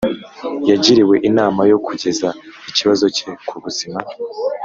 Yagiriwe inama yo kugeza ikibazo cye ku buzima